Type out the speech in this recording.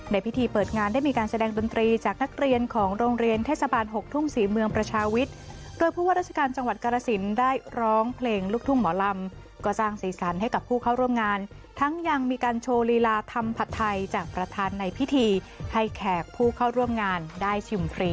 ในพิธีเปิดงานได้มีการแสดงดนตรีจากนักเรียนของโรงเรียนเทศ